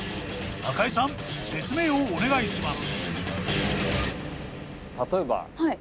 中井さん説明をお願いします。